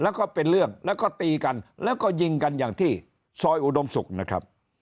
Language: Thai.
แล้วก็เป็นเรื่องแล้วก็ตีกันแล้วก็ยิงกันอย่างที่ซอยอุดมศุกร์นะครับ